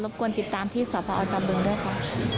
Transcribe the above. รบกวนติดตามที่สวพาอาจำบึงด้วยค่ะ